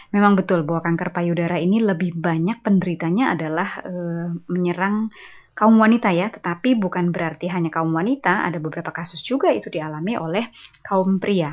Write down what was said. memang betul bahwa kanker payudara ini lebih banyak penderitanya adalah menyerang kaum wanita ya tetapi bukan berarti hanya kaum wanita ada beberapa kasus juga itu dialami oleh kaum pria